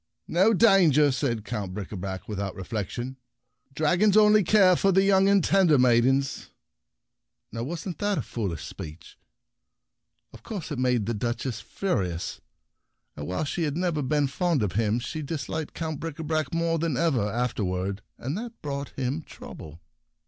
"No danger," said Count Bricabrac, without reflection, Scared Duchess The Prince and the Dragons 45 " dragons only care for young and tender maidens." Now wasn't that a foolish speech? Of course it made the Duchess furious , and while she had never been fond of him, she disliked Count Bricabrac more than ever afterward ; and that brought him trouble.